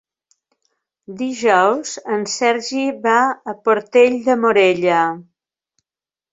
Dijous en Sergi va a Portell de Morella.